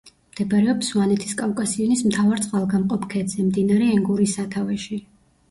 მდებარეობს სვანეთის კავკასიონის მთავარ წყალგამყოფ ქედზე, მდინარე ენგურის სათავეში.